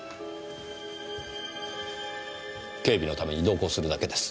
警備のために同行するだけです。